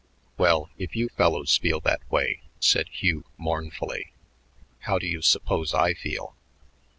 '" "Well, if you fellows feel that way," said Hugh mournfully, "how do you suppose I feel?